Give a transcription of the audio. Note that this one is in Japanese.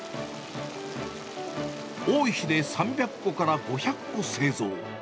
多い日で３００個から５００個製造。